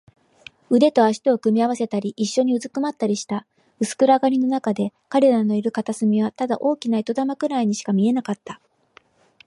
腕と脚とを組み合わせたり、いっしょにうずくまったりした。薄暗がりのなかで、彼らのいる片隅はただ大きな糸玉ぐらいにしか見えなかった。